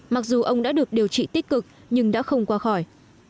mặc dù ông đã được điều trị tích cực nhưng đã không qua khỏi